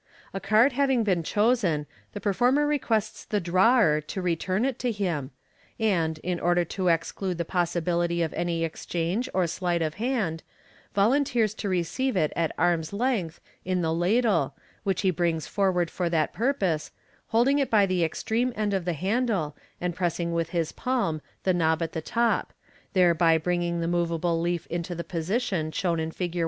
A card having been chosen, the per former requests the drawer to return it to him, and, in order to exclude the possibility of any exchange or sleight of hand, vol anteers to receive it at arm's length in the ladle, which he brings forward for that purpose, holding it by the extreme end of the handle, and pressing with his palm the knob at the top, thereby bringing the moveable leaf into the position shown in Fig.